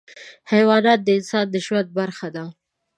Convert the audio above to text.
حیوانات د انسان د ژوند برخه دي.